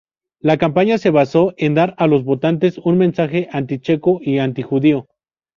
La campaña se basó en dar a los votantes un mensaje anti-checo y anti-judío.